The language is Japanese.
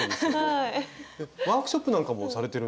ワークショップなんかもされてるんですもんね。